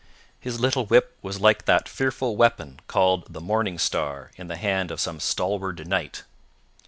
His little whip was like that fearful weapon called the morning star in the hand of some stalwart knight.